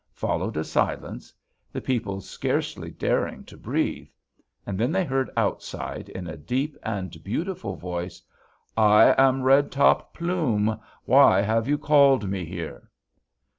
Followed a silence; the people scarcely daring to breathe. And then they heard outside, in a deep and beautiful voice: 'I am Red Top Plume! Why have you called me here?'